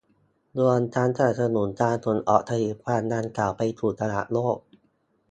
รวมทั้งสนับสนุนการส่งออกผลิตภัณฑ์ดังกล่าวไปสู่ตลาดโลก